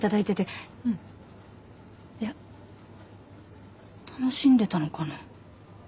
いや楽しんでたのかな。